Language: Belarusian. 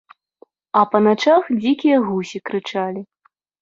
А па начах дзікія гусі крычалі.